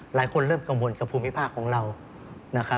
หลายคนเลิกกังวลกับภูมิภาคของเรา